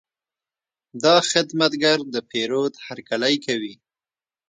دا خدمتګر د پیرود هرکلی کوي.